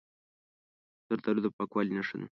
زردالو د پاکوالي نښه ده.